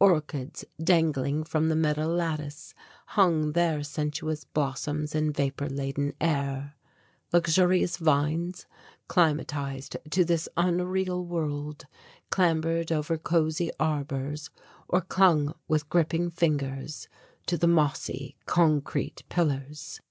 Orchids, dangling from the metal lattice, hung their sensuous blossoms in vapour laden air. Luxurious vines, climatized to this unreal world, clambered over cosy arbours, or clung with gripping fingers to the mossy concrete pillars.